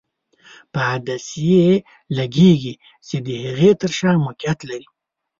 په عدسیې لګیږي چې د هغې تر شا موقعیت لري.